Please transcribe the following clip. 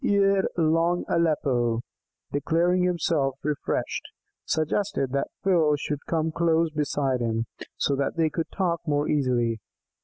Ere long Aleppo, declaring himself refreshed, suggested that Phil should come close beside him, so that they could talk more easily.